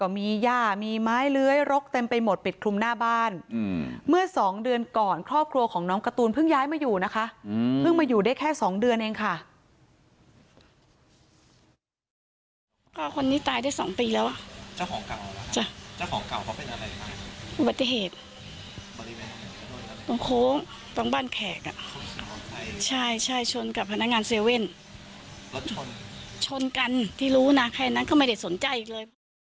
ที่รู้นะแค่นั้นเขาไม่ได้สนใจอีกเลย